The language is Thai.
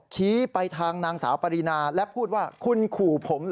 ชี้ไปทางนางสาวปรินาและพูดว่าคุณขู่ผมเหรอ